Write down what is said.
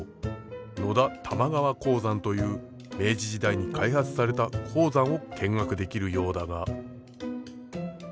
野田玉川鉱山という明治時代に開発された鉱山を見学できるようだが。